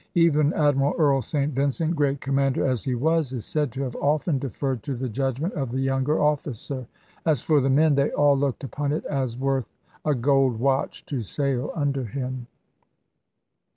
Even Admiral Earl St Vincent, great commander as he was, is said to have often deferred to the judgment of the younger officer. As for the men, they all looked upon it as worth a gold watch to sail under him.